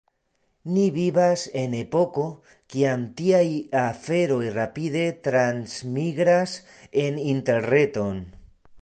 Ni vivas en epoko, kiam tiaj aferoj rapide transmigras en Interreton.